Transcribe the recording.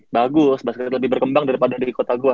bagus basket lebih berkembang daripada di kota jawa tengah ya